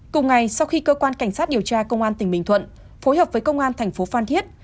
cùng ngày sau khi cơ quan cảnh sát điều tra công an tỉnh bình thuận phối hợp với công an thành phố phan thiết